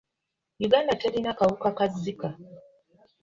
Uganda terina kawuka ka Zika.